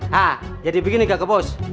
hah jadi begini gagah bos